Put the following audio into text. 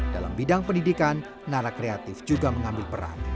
dalam bidang pendidikan narak kreatif juga mengambil peran